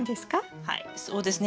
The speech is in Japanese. はいそうですね